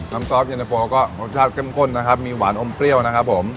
ซอสเย็นตะโฟก็รสชาติเข้มข้นนะครับมีหวานอมเปรี้ยวนะครับผม